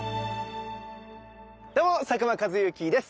どうも佐久間一行です。